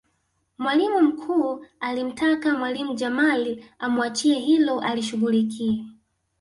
Mwalimu mkuu alimtaka mwalimu Jamal amuachie hilo alishughulikie